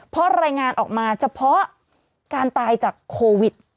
เพราะรายงานออกมาเฉพาะการตายจากโควิด